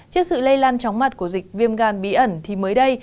trước sự lây lan chóng mặt của dịch viêm gan bí ẩn thì mới đây